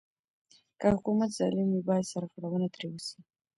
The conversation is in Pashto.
که حکومت ظالم وي بايد سرغړونه ترې وسي.